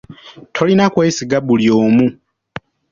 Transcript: Tolina kwesiga buli omu.